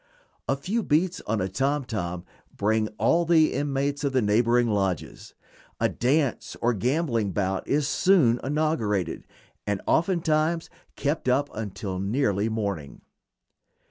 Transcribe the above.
A few beats on a tom tom bring all the inmates of the neighboring lodges; a dance or gambling bout is soon inaugurated, and oftentimes kept up until nearly morning.